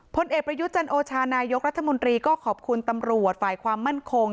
พลเอกประยุทธ์จันโอชานายกรัฐมนตรีก็ขอบคุณตำรวจฝ่ายความมั่นคง